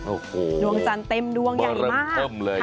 โอ้โหลวงจันทร์เต็มลวงใหญ่มากบรรค่ำเลย